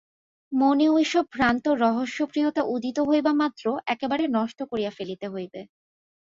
মনে ঐ-সব ভ্রান্ত রহস্যপ্রিয়তা উদিত হইবামাত্র একেবারে নষ্ট করিয়া ফেলিতে হইবে।